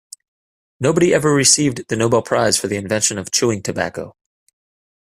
Nobody ever received the Nobel prize for the invention of chewing tobacco.